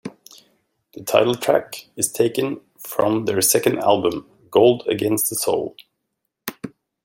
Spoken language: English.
The title track is taken from their second album "Gold Against the Soul".